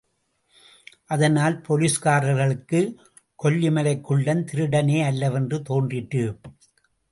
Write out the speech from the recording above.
அதனால் போலீஸ்காரர்களுக்குக் கொல்லிமலைக் குள்ளன் திருடனே அல்லவென்று தோன்றிற்று.